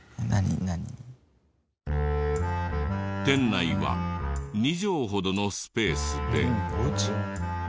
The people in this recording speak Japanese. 店内は２畳ほどのスペースで。